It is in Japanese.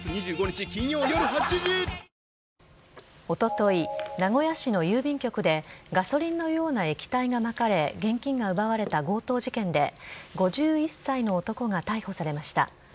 おととい名古屋市の郵便局でガソリンのような液体がまかれ現金が奪われた強盗事件で５１歳の男が逮捕されました。